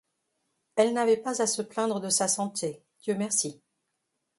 Elle n'avait pas à se plaindre de sa santé, Dieu merci !